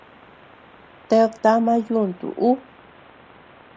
Ted tama yuntu ú.